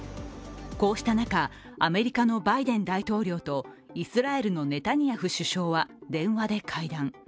こうした中、アメリカのバイデン大統領とイスラエルのネタニヤフ首相は電話で会談。